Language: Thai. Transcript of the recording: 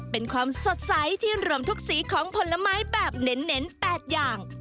เป็นความสดใสที่รวมทุกสีของผลไม้แบบเน้น๘อย่าง